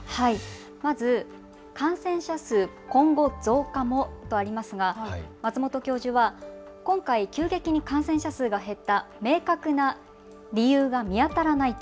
まず感染者数、今後増加もとありますが松本教授は今回、急激に感染者数が減った明確な理由が見当たらないと。